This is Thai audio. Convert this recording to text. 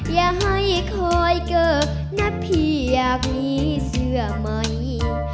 อย่าให้คอยเกิดนะพี่อยากมีเสื้อใหม่